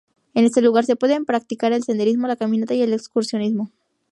En este lugar se pueden practicar el senderismo, la caminata y el excursionismo.